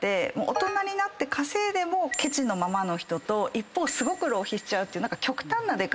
大人になって稼いでもケチのままの人と一方すごく浪費しちゃうっていう極端な出方をします。